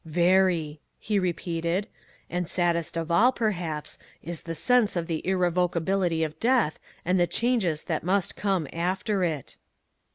"Very," he repeated, "and saddest of all, perhaps, is the sense of the irrevocability of death and the changes that must come after it."